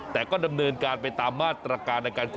แต่ก็ดำเนินการไปตามมาตรการในการ